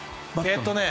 えっとね。